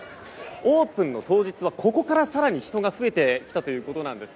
オープンの当日はここから更に人が増えてきたということです。